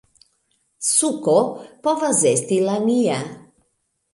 Suko povas esti la nia